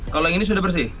kalau ini sudah bersih